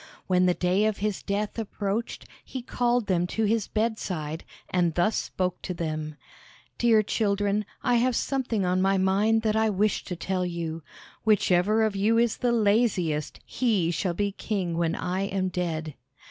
When the day of his death approached, he called them to his bedside, and thus spoke to them: "Dear children, I have something on my mind that I wish to tell you; whichever of you is the laziest, he shall be king when I am dead."